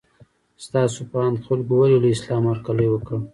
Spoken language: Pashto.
ستاسو په اند خلکو ولې له اسلام هرکلی وکړ؟